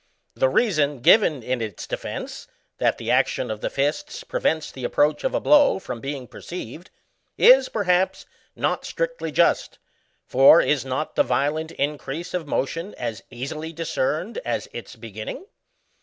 The reason given in its defence, that the action of the lists prevents the approach of a blow from being perceived, is, perhaps, not strictly just; for, is not the violent increase of motion as easily discerned as its beginning